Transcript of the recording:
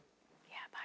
やばい？